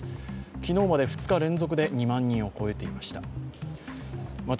昨日まで２日連続で２万人を超えていました。